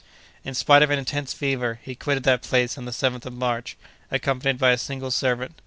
In spite of an intense fever, he quitted that place on the 7th of March, accompanied by a single servant.